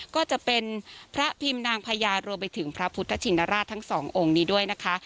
ก็จะเป็นพระพิมพ์นางพญารวมไปถึงพระพุทธชินราชทั้งสององค์นี้ด้วยนะคะ